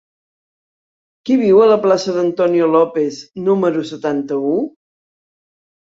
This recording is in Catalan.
Qui viu a la plaça d'Antonio López número setanta-u?